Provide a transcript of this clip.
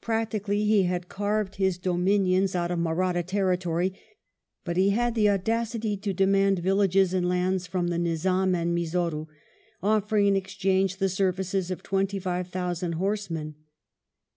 Practically he had carved his dominions out of 52 WELLINGTON chap. Mahratta territory, but he had the audacity to demand villages and lands from the Nizam and Mysore, offering in exchange the services of twenty five thousand horse men.